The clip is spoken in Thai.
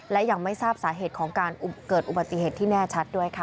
และยังไม่ทราบสาเหตุของการเกิดอุบัติเหตุที่แน่ชัดด้วยค่ะ